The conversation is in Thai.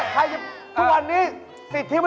ใครจะเจ๊ช่วย